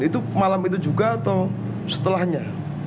itu malam itu juga atau setelahnya